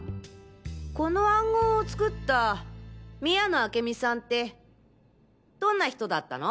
この暗号を作った宮野明美さんってどんな人だったの？